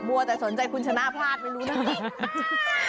บัวแต่สนใจคุณชนะพลาดไม่รู้นะ